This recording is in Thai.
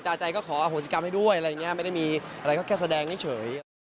ใจก็ขออโหสิกรรมให้ด้วยอะไรอย่างนี้ไม่ได้มีอะไรก็แค่แสดงเฉย